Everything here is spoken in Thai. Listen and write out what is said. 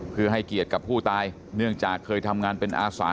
เพื่อให้เกียรติกับผู้ตายเนื่องจากเคยทำงานเป็นอาสา